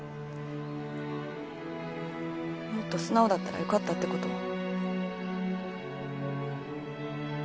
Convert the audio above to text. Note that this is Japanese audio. もっと素直だったらよかったってこと？